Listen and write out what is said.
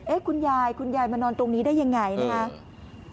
คุณยายคุณยายมานอนตรงนี้ได้ยังไงนะครับ